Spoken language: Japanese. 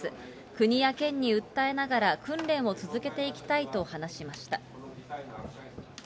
国や県に訴えながら、訓練を続けていきたいと話しました。